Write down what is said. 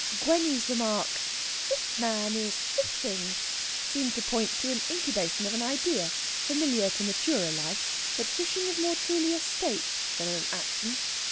Gwenny's remark, "Ze man is fissin'," seemed to point to an incubation of an idea, familiar to maturer life, that fishing is more truly a state than an action.